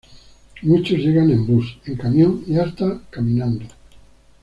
Muchos llegan en bus, en camión y hasta caminando.